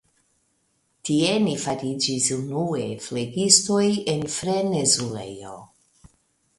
Tie ni fariĝis unue flegistoj en frenezulejo.